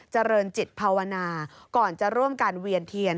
เจริญจิตภาวนาก่อนจะร่วมการเวียนเทียน